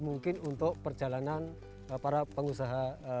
yang pastinya ada lah